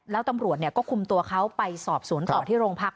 แล้วตำรวจก็คุมตัวเขาไปสอบสวนต่อที่โรงพัก